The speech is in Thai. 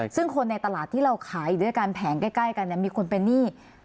ซึ่งคนในตลาดที่เราขายด้วยการแผงใกล้กันเนี่ยมีคนเป็นนี่